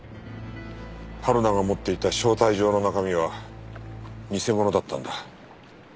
はるなが持っていた招待状の中身は偽物だったんだ。